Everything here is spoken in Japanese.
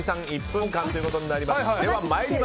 １分間ということになります。